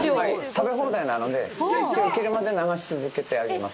食べ放題なので、スイッチを切るまで流し続けてあります。